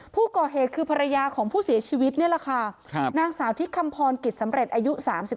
ผู้ก่อเหตุคือภรรยาของผู้เสียชีวิตนี่แหละค่ะนางสาวทิศคำพรกิจสำเร็จอายุ๓๒